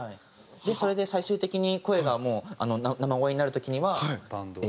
それで最終的に声がもう生声になる時には。